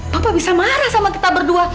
bapak bisa marah sama kita berdua